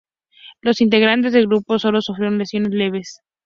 Los integrantes del grupo solo sufrieron lesiones leves.